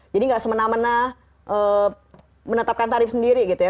jadi nggak semena mena menetapkan tarif sendiri gitu ya